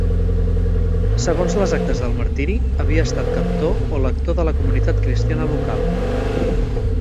Segons les actes del martiri, havia estat cantor o lector de la comunitat cristiana local.